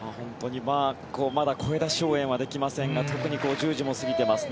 まだ声出し応援はできませんが特に１０時も過ぎてます。